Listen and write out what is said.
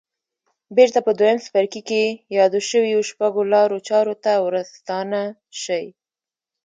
بېرته په دويم څپرکي کې يادو شويو شپږو لارو چارو ته ورستانه شئ.